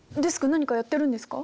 何かやってるんですか？